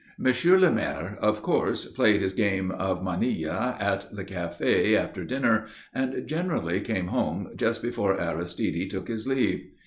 Monsieur le Maire, of course, played his game of manilla at the café, after dinner, and generally came home just before Aristide took his leave.